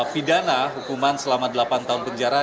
pidana hukuman selama delapan tahun penjara